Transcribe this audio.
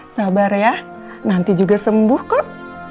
sabar ya nanti juga sembuh kok